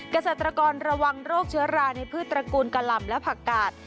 เกษตรกรระวังโรคเชื้อราในพืชตระกูลกะหล่ำและผักกาด